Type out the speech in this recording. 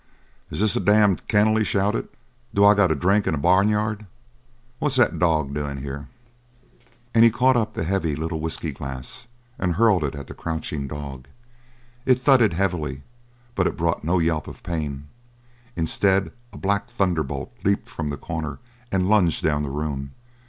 "Is this a damned kennel?" he shouted. "Do I got to drink in a barnyard? What's the dog doin' here?" And he caught up the heavy little whiskey glass and hurled it at the crouching dog. It thudded heavily, but it brought no yelp of pain; instead, a black thunderbolt leaped from the corner and lunged down the room.